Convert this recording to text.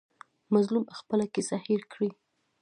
مظلوم خپله کیسه هېر کړي.